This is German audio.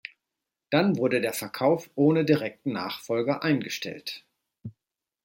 Dann wurde der Verkauf ohne direkten Nachfolger eingestellt.